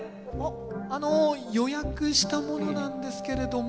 あの予約した者なんですけれども。